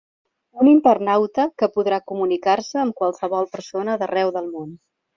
Un internauta que podrà comunicar-se amb qualsevol persona d'arreu del món.